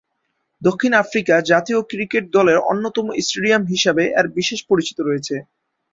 দক্ষিণ আফ্রিকা জাতীয় ক্রিকেট দলের অন্যতম স্টেডিয়াম হিসেবে এর বিশেষ পরিচিতি রয়েছে।